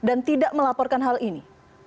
dan tidak melaporkan hal ini